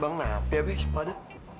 bang apa ya be siapa ada